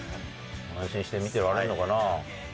安心して見てられるのかな？